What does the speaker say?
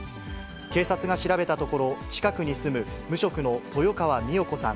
警察が調べたところ、近くに住む無職の豊川美代子さん